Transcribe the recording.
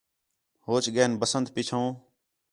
پوچ ڳئین بسنت پِچّھو